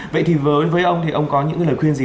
vậy thì với ông thì ông có những lời khuyên gì